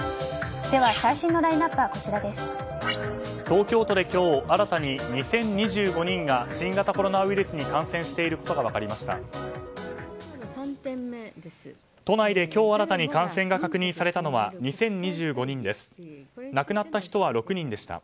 東京都で今日新たに２０２５人が新型コロナウイルスに感染していることが分かりました。